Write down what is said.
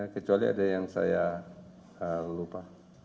kecuali ada yang saya lupa